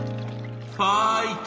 「ファイト！